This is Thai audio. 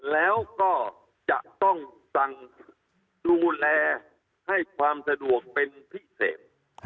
แล้วก็จะต้องสั่งดูแลให้ความสะดวกเป็นพิเศษ